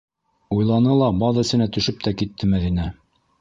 Уйланы ла баҙ эсенә төшөп тә китте Мәҙинә.